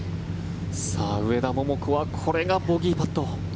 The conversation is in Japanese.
さあ、上田桃子はこれがボギーパット。